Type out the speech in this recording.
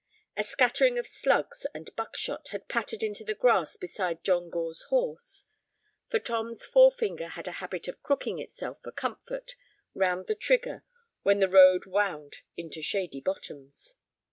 A scattering of slugs and buckshot had pattered into the grass beside John Gore's horse; for Tom's forefinger had a habit of crooking itself for comfort round the trigger when the road wound into shady bottoms.